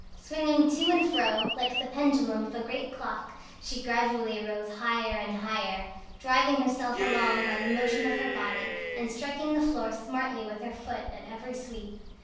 Swinging to and fro like the pendulum of a great clock, she gradually rose higher and higher, driving herself along by the motion of her body, and striking the floor smartly with her foot, at every sweep.